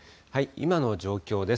今の状況です。